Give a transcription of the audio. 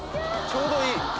ちょうどいい。